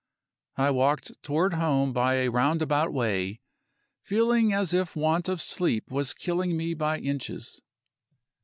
I walked toward home by a roundabout way; feeling as if want of sleep was killing me by inches.